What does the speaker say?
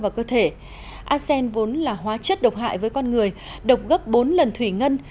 arsen vốn là hóa chất độc hại với con người độc gấp bốn lần thủy ngân